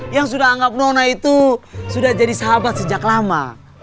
yang sudah anggap nona itu sudah jadi sahabat sejak lama